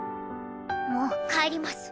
もう帰ります。